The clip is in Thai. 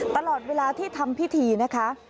ตลอดเวลาที่ทำพิธีนะคะ